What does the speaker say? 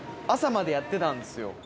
朝までやってたんですよ。